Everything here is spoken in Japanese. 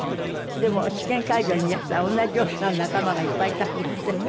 でも試験会場にいらしたら同じような仲間がいっぱいいたんですって？